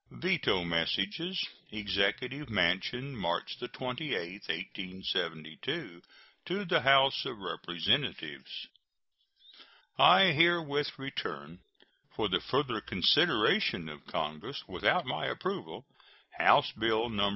VETO MESSAGES. EXECUTIVE MANSION, March 28, 1872. To the House of Representatives: I herewith return, for the further consideration of Congress, without my approval, House bill No.